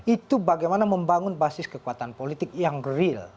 itu bagaimana membangun basis kekuatan politik yang real